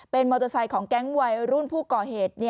มอเตอร์ไซค์ของแก๊งวัยรุ่นผู้ก่อเหตุ